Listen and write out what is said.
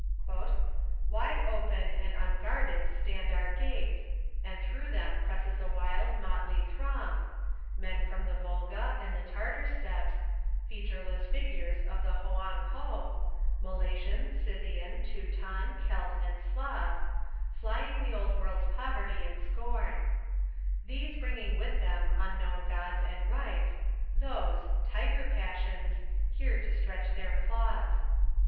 MISSIONS 613 " Wide open and unguarded stand our gates, And through them presses a wild motley throng — Men from the Volga and the Tartar steppes, Featureless figures of the Hoang IIo, Malayan, Sej'thian, Teuton, Kelt, and Skiv, Flying the Old World's poverty and scorn ; These bringing T\ ith them unknown gods and rites. Those, tiger passions, here to stretch their claws.